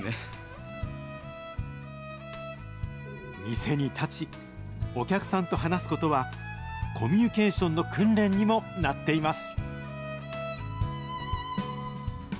店に立ち、お客さんと話すことは、コミュニケーションの訓練にもなっています。